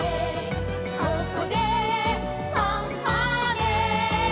「ここでファンファーレ」